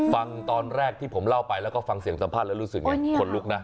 ฟังตอนแรกที่ผมเล่าไปแล้วก็ฟังเสียงสัมภาษณ์แล้วรู้สึกไงคนลุกนะ